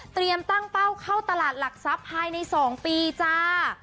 ตั้งเป้าเข้าตลาดหลักทรัพย์ภายใน๒ปีจ้า